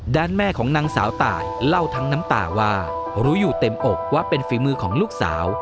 ด้านแม่ของนางสาวตายเล่าทั้งน้ำตาว่ารู้อยู่เต็มอกว่าเป็นฝีมือของลูกสาว